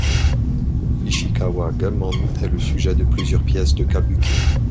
Ishikawa Goemon est le sujet de plusieurs pièces de kabuki.